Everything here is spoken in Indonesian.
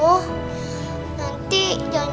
nanti jangan jangan kamu gak bisa pulang